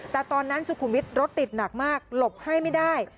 แต่ตอนนั้นสุขุมวิทย์รถติดหนักมากหลบให้ไม่ได้